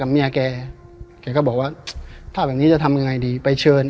เมียแกแกก็บอกว่าถ้าแบบนี้จะทำยังไงดีไปเชิญ